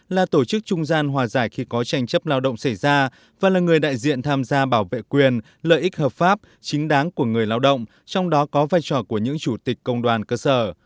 là tổ chức trung gian hòa giải khi có tranh chấp lao động xảy ra và là người đại diện tham gia bảo vệ quyền lợi ích hợp pháp chính đáng của người lao động trong đó có vai trò của những chủ tịch công đoàn cơ sở